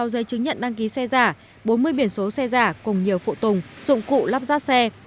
hai mươi sáu giấy chứng nhận đăng ký xe giả bốn mươi biển số xe giả cùng nhiều phụ tùng dụng cụ lắp dắp xe